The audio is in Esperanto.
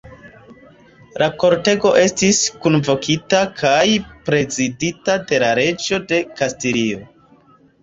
La kortego estis kunvokita kaj prezidita de la reĝo de Kastilio.